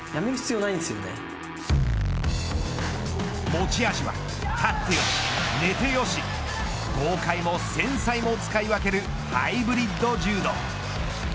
持ち味は立ってよし寝てよし豪快も繊細も使い分けるハイブリッド柔道。